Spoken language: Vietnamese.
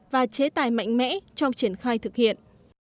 và chế tài mạnh mẽ trong triển khai thực hiện